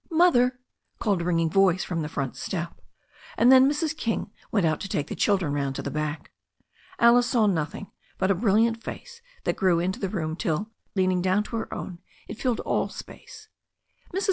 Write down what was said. "Mother," called a ringing voice from the front step. And then Mrs. King went out to take the children roimd to the back. Alice saw nothing but a brilliant face that grew into the room till, leaning down to her own, it filled all space. Mrs.